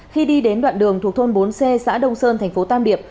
khi đi đến đoạn đường thuộc thôn bốn c xã đông sơn thành phố tam điệp